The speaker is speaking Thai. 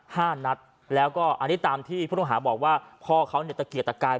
ห้านัดแล้วก็อันนี้ตามที่ผู้ต้องหาบอกว่าพ่อเขาเนี่ยตะเกียกตะกาย